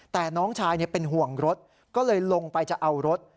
แต่น้องชายเป็นห่วงรถก็เลยลงไปจะเอารถ